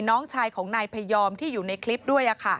น้องชายของนายพยอมที่อยู่ในคลิปด้วย